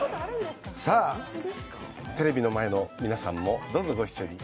さあ、テレビの前の皆さんもどうぞご一緒に。